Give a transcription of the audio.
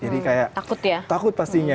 jadi kayak takut pastinya